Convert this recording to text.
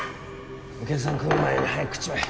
お客さん来る前に早く食っちまえ